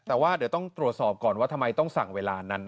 แต่ว่าเดี๋ยวต้องตรวจสอบก่อนว่าทำไมต้องสั่งเวลานั้น